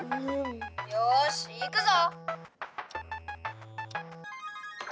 「よしいくぞ！」。